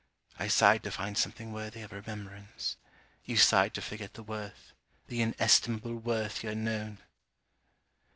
I sighed to find something worthy of remembrance. You sighed to forget the worth, the inestimable worth you had known!